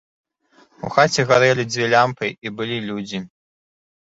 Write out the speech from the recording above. У хаце гарэлі дзве лямпы і былі людзі.